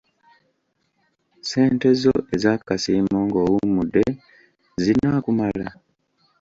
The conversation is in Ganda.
Ssente zo ez'akasiimo ng'owummudde zinaakumala?